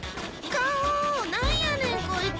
顔、何やねん、こいつ。